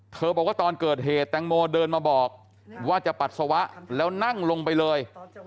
บอกว่าตอนเกิดเหตุแตงโมเดินมาบอกว่าจะปัสสาวะแล้วนั่งลงไปเลย